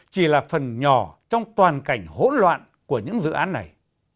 chỉ là phần nhỏ trong toàn cảnh hỗn loạn của những dự án này